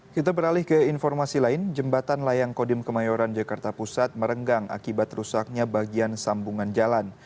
kita beralih ke informasi lain jembatan layang kodim kemayoran jakarta pusat merenggang akibat rusaknya bagian sambungan jalan